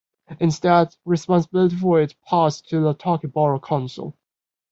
Instead responsibility for it passed to the Otaki Borough Council.